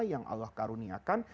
yang allah karuniakan